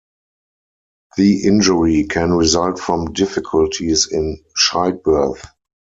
The injury can result from difficulties in childbirth.